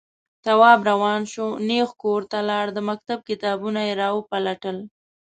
تواب روان شو، نېغ کور ته لاړ، د مکتب کتابونه يې راوپلټل.